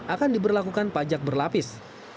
akan diberlakukan pajak berlapis